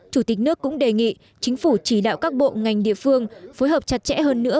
chủ tịch nước cũng đề nghị chính phủ chỉ đạo các bộ ngành địa phương phối hợp chặt chẽ hơn nữa